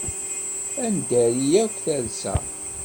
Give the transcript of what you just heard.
Ad neddari akk talsa.